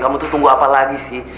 kamu tuh tunggu apa lagi sih